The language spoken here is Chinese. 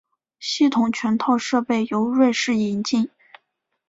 系统全套设备由瑞士引进。